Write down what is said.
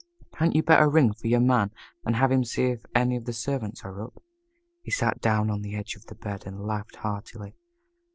"Hadn't you better ring for your man, and have him see if any of the servants are up?" He sat down on the edge of the bed, and laughed heartily.